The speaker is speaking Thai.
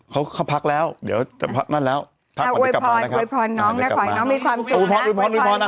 เขาเข้าพักแล้วเดี๋ยวจะพักนั่นแล้วถ้าอวยพรอวยพรน้องนะขอให้น้องมีความสุข